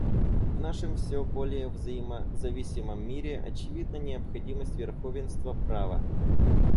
В нашем все более взаимозависимом мире очевидна необходимость верховенства права.